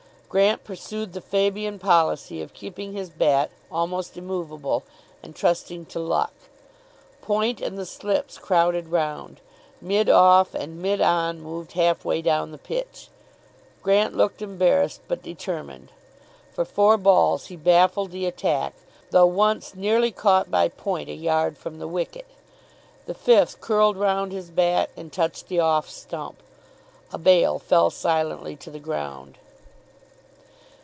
Grant pursued the Fabian policy of keeping his bat almost immovable and trusting to luck. Point and the slips crowded round. Mid off and mid on moved half way down the pitch. Grant looked embarrassed, but determined. For four balls he baffled the attack, though once nearly caught by point a yard from the wicket. The fifth curled round his bat, and touched the off stump. A bail fell silently to the ground.